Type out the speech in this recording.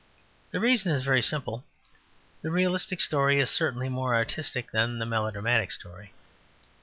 The reason is very simple. The realistic story is certainly more artistic than the melodramatic story.